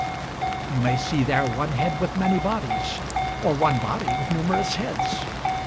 You may see there one head with many bodies, or one body with numerous heads.